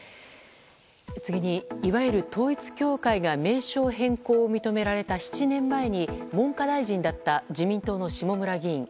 次に、いわゆる統一教会が名称変更を認められた７年前に文科大臣だった自民党の下村議員。